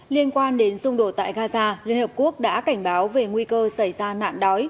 liên quan đến xung đột tại gaza liên hợp quốc đã cảnh báo về nguy cơ xảy ra nạn đói